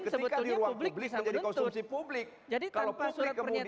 ketika di ruang publik menjadi konsumsi publik